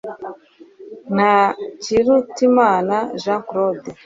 ntakirutimana jeana claude